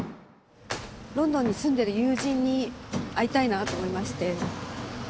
ロンドンに住んでる友人に会いたいなと思いまして。